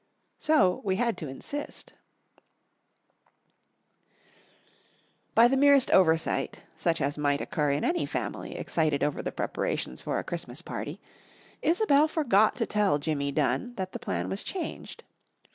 So we had to insist. [Illustration: 99] By the merest oversight, such as might occur in any family excited over the preparations for a Christmas party, Isobel forgot to tell Jimmy Dunn that the plan was changed.